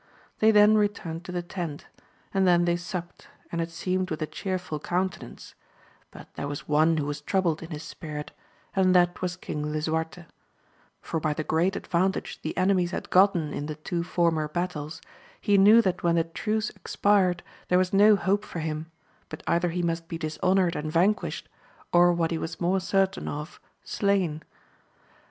They then re turned to the tent, and then they supt, and it seemed with a chearful countenance ; but there was one who was troubled in his spirit, and that was king Lisuarte ; for by the great' advantage the enemies had gotten in the two former battles, he knew that when the truce expired, there was no hope for him, but either he must be dishonoured and vanquished, or what he was more certain of, slain.